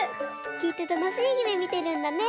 きっとたのしいゆめみてるんだね。